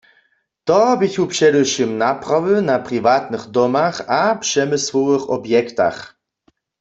To běchu předewšěm naprawy na priwatnych domach a přemysłowych objektach.